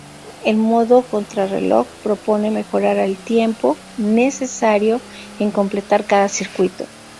El modo contrarreloj propone mejorar el tiempo necesario en completar cada circuito.